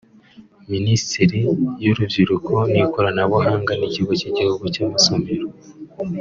Minisiteri y’Urubyiruko n’Ikoranabuhanga n’Ikigo cy’Igihugu cy’Amasomero